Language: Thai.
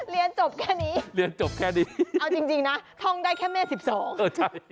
เรียนจบแค่นี้เอาจริงท่องได้แค่แม่๑๒